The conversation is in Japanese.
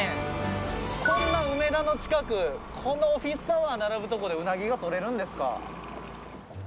こんな梅田の近くこんなオフィスタワー並ぶとこでウナギが取れるんですか？